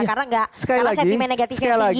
karena sentimen negatifnya tinggi